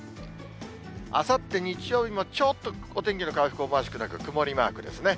あさって日曜日もちょっとお天気の回復思わしくなく、曇りマークですね。